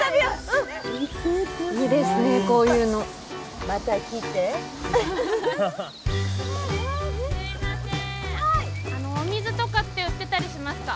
・あのお水とかって売ってたりしますか？